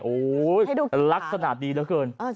โอ้โหลักษณะดีเหลือเกิน